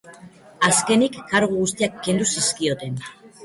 Azkenik kargu guztiak kendu zizkioten.